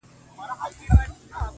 سترګي د محفل درته را واړوم-